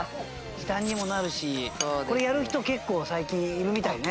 時短にもなるしこれやる人結構最近いるみたいね。